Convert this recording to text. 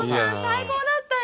最高だったよ！